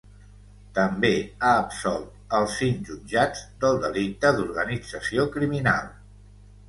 També ha absolt els cinc jutjats del delicte d’organització criminal.